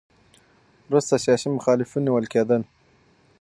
وروسته سیاسي مخالفین نیول کېدل.